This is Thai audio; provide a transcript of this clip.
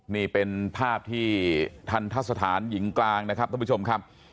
นี่เป็นภาพที่ทันทะสถานหญิงกลางนะครับท่านผู้ชมครับ